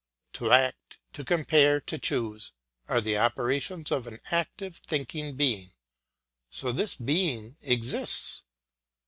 To act, to compare, to choose, are the operations of an active, thinking being; so this being exists.